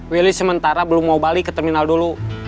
willy sementara belum mau balik ke terminal dulu